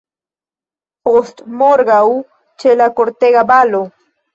Postmorgaŭ, ĉe la kortega balo!